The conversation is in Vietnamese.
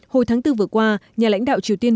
hồi tháng bốn vừa qua nhà lãnh đạo triều tiên